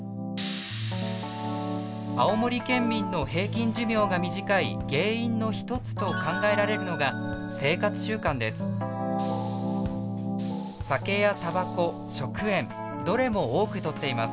青森県民の平均寿命が短い原因の一つと考えられるのが酒やタバコ食塩どれも多くとっています。